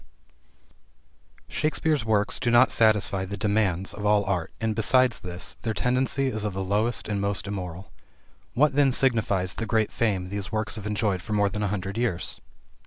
VII Shakespeare's works do not satisfy the demands of all art, and, besides this, their tendency is of the lowest and most immoral. What then signifies the great fame these works have enjoyed for more than a hundred years?